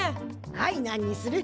はいなんにする？